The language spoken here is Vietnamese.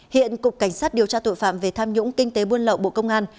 hiện cục cảnh sát điều tra tội phạm về tham nhũng kinh tế buôn lậu bộ công an